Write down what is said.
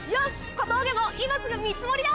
小峠も今すぐ見積りだ！